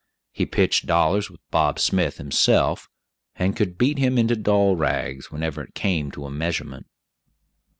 He pitched dollars with Bob Smith himself, and could "beat him into doll rags" whenever it came to a measurement.